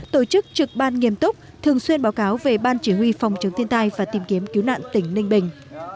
tổ chức trực ban nghiêm túc thường xuyên báo cáo về ban chỉ huy phòng chống thiên tai và tìm kiếm cứu nạn tỉnh ninh bình